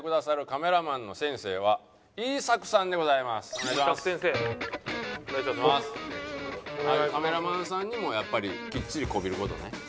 カメラマンさんにもやっぱりきっちりこびる事ね。